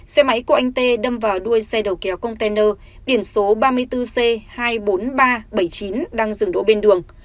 xe máy của anh tê đâm vào đuôi xe đầu kéo container biển số ba mươi bốn c hai mươi bốn nghìn ba trăm bảy mươi chín đang dừng đỗ bên đường